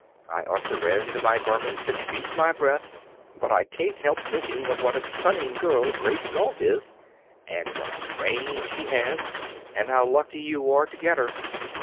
I ought to rend my garments and beat my breast, but I can't help thinking of what a stunning girl Grace Galt is, and what a brain she has, and how lucky you are to get her.